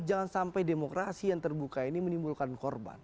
jangan sampai demokrasi yang terbuka ini menimbulkan korban